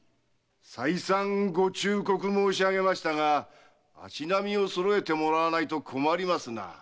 再三ご忠告申しあげましたが足並みをそろえてもらわないと困りますな。